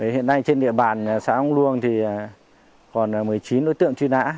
hiện nay trên địa bàn xã úc luông thì còn một mươi chín đối tượng truy nã